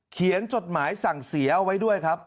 จดหมายสั่งเสียเอาไว้ด้วยครับ